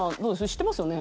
知ってますよね？